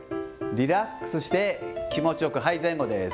リラックスして、気持ちよく、はい、前後です。